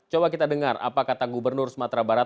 coba kita dengar apa kata gubernur sumatera barat